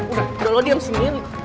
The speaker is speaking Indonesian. udah udah lo diem sini